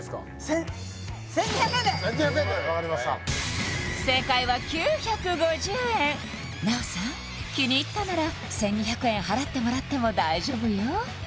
１０００１２００円で１２００円で分かりました正解は９５０円ナヲさん気に入ったなら１２００円払ってもらっても大丈夫よ